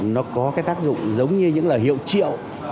nó có cái tác dụng giống như những lời hiệu triệu